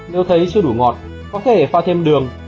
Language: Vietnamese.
nếu thấy chưa đủ ngọt có thể pha thêm đường